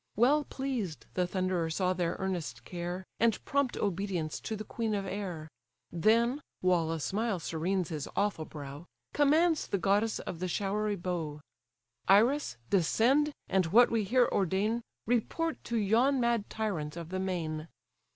Well pleased the Thunderer saw their earnest care, And prompt obedience to the queen of air; Then (while a smile serenes his awful brow) Commands the goddess of the showery bow: "Iris! descend, and what we here ordain, Report to yon mad tyrant of the main.